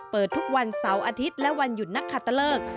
เปิดทุกวันเสาร์อาทิตย์และวันหยุดนักขัตตะเลิก